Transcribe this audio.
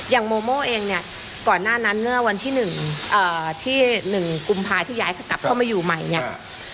อย่างโมโมเองเนี้ยก่อนหน้านั้นเมื่อวันที่หนึ่งอ่าที่หนึ่งกลุ่มภายที่ย้ายกลับเข้ามาอยู่ใหม่เนี้ย